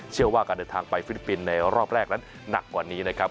เชื่อว่าการเดินทางไปฟิลิปปินส์ในรอบแรกนั้นหนักกว่านี้นะครับ